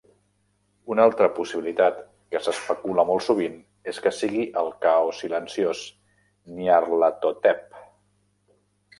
Una altra possibilitat que s"especula molt sovint és que sigui el Caos silenciós, Nyarlathotep.